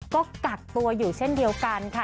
ก็กักตัวอยู่เช่นเดียวกันค่ะ